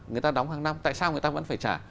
người ta đóng hàng năm tại sao người ta vẫn phải trả